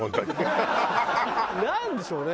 なんでしょうね？